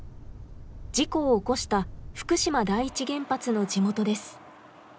事故を起こした福島第一原発の地元です。